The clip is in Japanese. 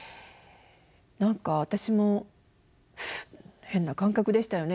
何か私も変な感覚でしたよね。